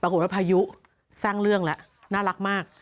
ปรากฏว่าพายุสร้างเรื่องแล้วน่ารักมาก